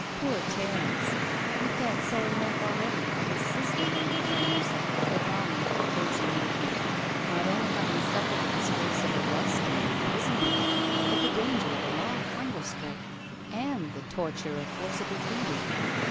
Poor Terence, he felt sore enough already at his sister having thrown herself headlong into the crazy movement, not only having suffered the disgrace of arrest and im prisonment, but the danger of a long Hunger Strike and the torture of forcible feeding.